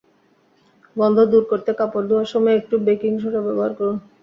গন্ধ দূর করতে কাপড় ধোয়ার সময় একটু বেকিং সোডা ব্যবহার করুন।